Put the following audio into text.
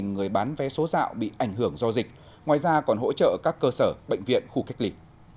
một mươi hai người bán vé số dạo bị ảnh hưởng do dịch ngoài ra còn hỗ trợ các cơ sở bệnh viện khu cách lị